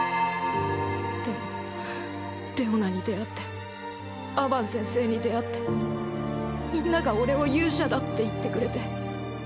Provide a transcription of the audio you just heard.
でもレオナに出会ってアバン先生に出会ってみんなが俺を勇者だって言ってくれて。